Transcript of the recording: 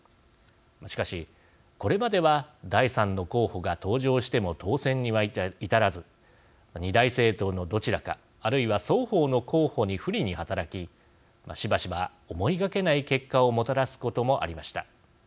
しかし、これまでは第３の候補が登場しても当選には至らず２大政党のどちらかあるいは双方の候補に不利に働きしばしば思いがけない結果をもたらすこともありました。